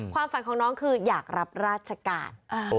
ความฝันของน้องคืออยากรับราชการ